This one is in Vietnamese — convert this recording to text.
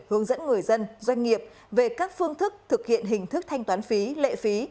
hướng dẫn người dân doanh nghiệp về các phương thức thực hiện hình thức thanh toán phí lệ phí